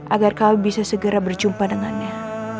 agar kami bisa segera berjumpa dengannya